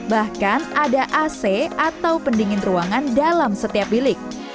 bahkan ada ac atau pendingin ruangan dalam setiap bilik